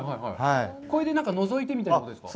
これで何かのぞいてということですか？